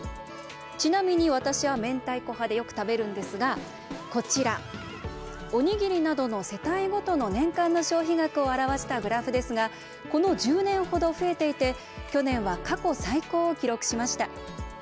ちなみに私は、めんたいこ派でよく食べるんですが、こちらおにぎりなどの世帯ごとの年間の消費額を表したグラフですがこの１０年程、増えていて去年は過去最高を記録しました。